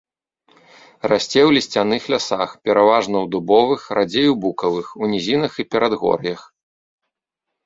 Расце ў лісцяных лясах, пераважна ў дубовых, радзей у букавых, у нізінах і перадгор'ях.